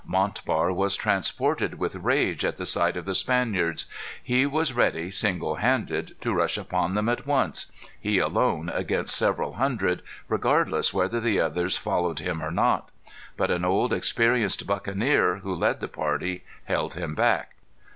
Montbar was transported with rage at the sight of the Spaniards. He was ready, single handed, to rush upon them at once he alone, against several hundred, regardless whether the others followed him or not. But an old, experienced buccaneer, who led the party, held him back.